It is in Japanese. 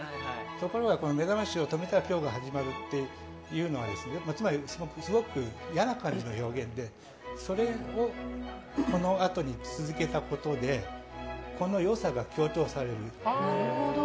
ところが「目覚ましを止めたら今日がはじまる」というのはつまりすごく嫌な感じの表現で、これをこのあとに続けたことでこのよさが強調される。